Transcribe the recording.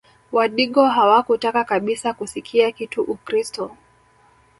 Wadigo hawakutaka kabisa kusikia kitu Ukristo